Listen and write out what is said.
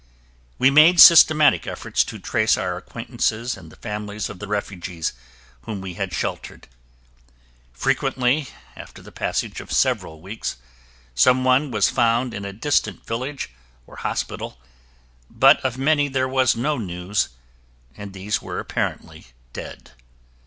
We made systematic efforts to trace our acquaintances and the families of the refugees whom we had sheltered. Frequently, after the passage of several weeks, some one was found in a distant village or hospital but of many there was no news, and these were apparently dead.